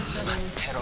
てろ